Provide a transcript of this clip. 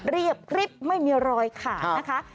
เรียบริบไม่มีรอยขาดนะคะ